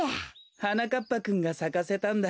はなかっぱくんがさかせたんだ。